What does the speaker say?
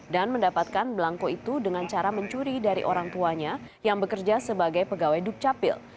dan mendapatkan belangko itu dengan cara mencuri dari orang tuanya yang bekerja sebagai pegawai dukcapil